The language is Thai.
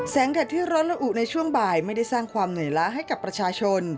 แดดที่ร้อนละอุในช่วงบ่ายไม่ได้สร้างความเหนื่อยล้าให้กับประชาชน